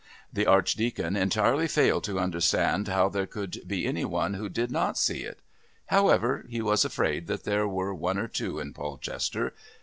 The Archdeacon entirely failed to understand how there could be any one who did not see it. However, he was afraid that there were one or two in Polchester....